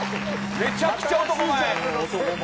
めちゃくちゃ男前。